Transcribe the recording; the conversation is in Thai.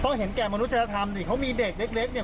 เพราะเห็นแก่มนุษยธรรมดิเขามีเด็กเล็กเนี่ย